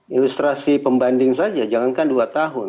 ilustrasi pembanding saja jangankan dua tahun